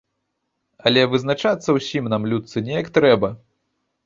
Але вызначацца ўсім нам, людцы, неяк трэба.